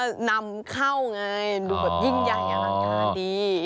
อยากทำการดี